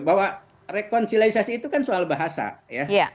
bahwa rekonsiliasi itu kan soal bahasa ya